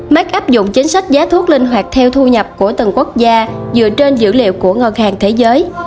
mác áp dụng chính sách giá thuốc linh hoạt theo thu nhập của từng quốc gia dựa trên dữ liệu của ngân hàng thế giới